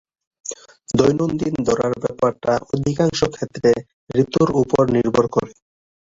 দৈনন্দিন ধরার ব্যাপারটা অধিকাংশ ক্ষেত্রে ঋতুর উপর নির্ভর করে।